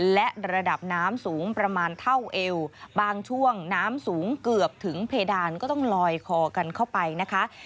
และระดับน้ำสูงประมาณเท่าเอวบางช่วงน้ำสูงเกือบถึงเพดานก็ต้องลอยคอกันเข้าไปนะคะ